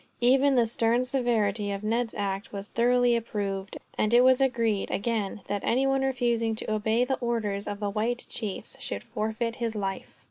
Even the stern severity of Ned's act was thoroughly approved; and it was agreed, again, that anyone refusing to obey the orders of the white chiefs should forfeit his life.